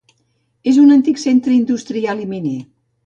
És un antic centre industrial i miner.